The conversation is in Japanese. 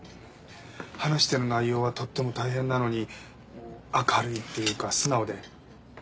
話してる内容はとっても大変なのに明るいっていうか素直でちょっと驚いた。